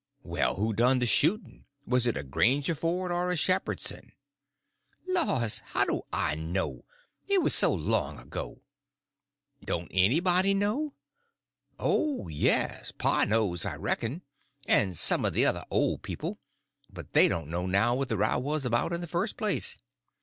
"Well, who done the shooting? Was it a Grangerford or a Shepherdson?" "Laws, how do I know? It was so long ago." "Don't anybody know?" "Oh, yes, pa knows, I reckon, and some of the other old people; but they don't know now what the row was about in the first place."